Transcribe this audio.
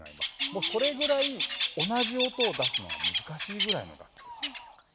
もうそれくらい同じ音を出すのがむずかしいくらいの楽器です。